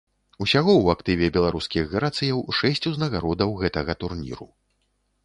Усяго ў актыве беларускіх грацыяў шэсць узнагародаў гэтага турніру.